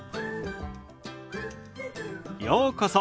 ようこそ。